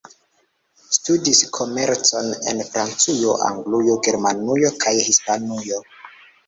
Studis komercon en Francujo, Anglujo, Germanujo kaj Hispanujo.